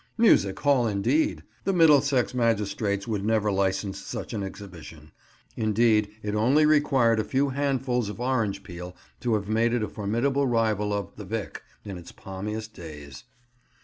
Music hall indeed! The Middlesex magistrates would never licence such an exhibition; indeed, it only required a few handfuls of orange peel to have made it a formidable rival of "The Vic." in its palmiest days.